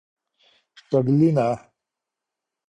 شګلینه